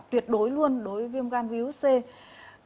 tuyệt đối luôn đối với viêm gan virus c